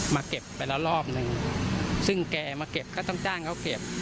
เก็บไปแล้วรอบหนึ่งซึ่งแกมาเก็บก็ต้องจ้างเขาเก็บ